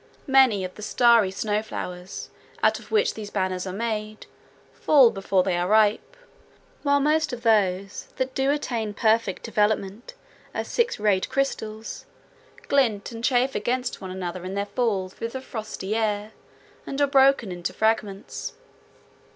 Many of the starry snow flowers, out of which these banners are made, fall before they are ripe, while most of those that do attain perfect development as six rayed crystals glint and chafe against one another in their fall through the frosty air, and are broken into fragments.